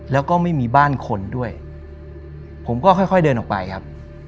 แล้วก็ไม่มีบ้านคนด้วยผมก็ค่อยเดินออกไปครับ